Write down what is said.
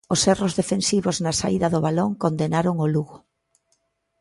Os erros defensivos na saída do balón condenaron o Lugo.